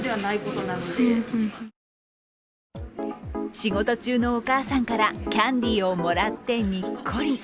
仕事中のお母さんからキャンディーをもらってニッコリ。